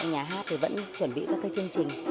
nhà hát vẫn chuẩn bị các chương trình